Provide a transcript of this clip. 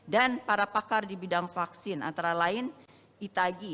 dan para pakar di bidang vaksin antara lain itagi